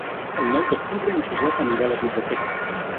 El nou d'octubre en Josep anirà a la biblioteca.